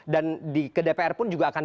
ke dpr pun juga akan